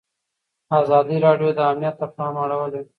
ازادي راډیو د امنیت ته پام اړولی.